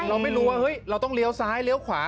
เราไม่รู้ว่าเฮ้ยเราต้องเลี้ยวซ้ายเลี้ยวขวา